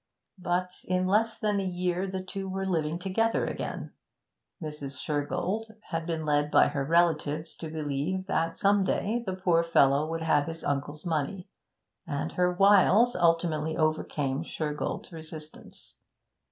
But in less than a year the two were living together again; Mrs. Shergold had been led by her relatives to believe that some day the poor fellow would have his uncle's money, and her wiles ultimately overcame Shergold's resistance.